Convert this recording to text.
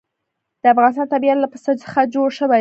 د افغانستان طبیعت له پسه څخه جوړ شوی دی.